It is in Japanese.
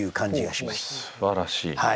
すばらしい。